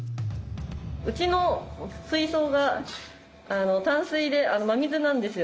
うちの水槽が淡水で真水なんですよ。